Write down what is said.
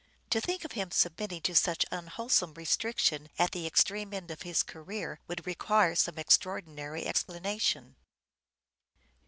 To think of him submitting to such unwholesome restriction at the extreme end of his career would require some extraordinary explanation.